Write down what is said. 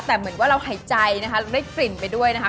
แต่เหมือนว่าเราหายใจนะคะเราได้กลิ่นไปด้วยนะคะ